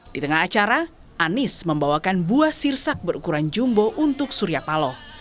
di tengah acara anies membawakan buah sirsak berukuran jumbo untuk surya paloh